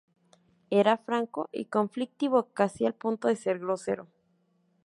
Era franco y conflictivo, casi al punto de ser grosero.